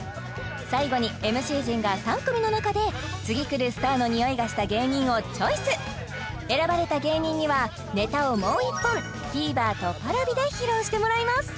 最後にＭＣ陣が３組の中で次くるスターのにおいがした芸人をチョイス選ばれた芸人にはネタをもう一本ＴＶｅｒとＰａｒａｖｉで披露してもらいます